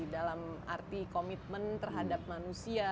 dalam arti komitmen terhadap manusia